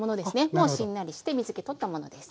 もうしんなりして水け取ったものです。